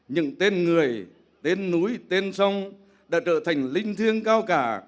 những tên người tên núi tên sông đã trở thành linh thương cao cả